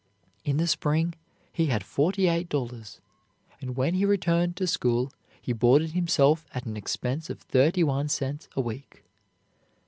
In the spring he had forty eight dollars, and when he returned to school he boarded himself at an expense of thirty one cents a week.